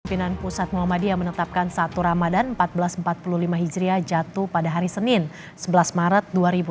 pimpinan pusat muhammadiyah menetapkan satu ramadan seribu empat ratus empat puluh lima hijriah jatuh pada hari senin sebelas maret dua ribu dua puluh